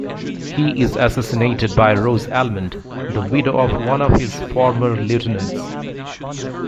He is assassinated by Rose Almond, the widow of one of his former lieutenants.